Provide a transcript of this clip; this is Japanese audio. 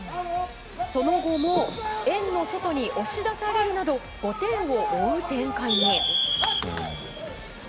その後も円の外に押し出されるなど５点を追う展開に。